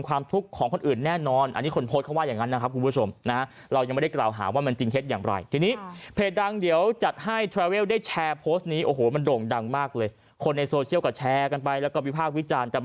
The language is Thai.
ความทุกข์ของคนอื่นแน่นอนอันนี้คนโพสต์เขาว่าอย่างนั้นนะครับคุณผู้ชมนะ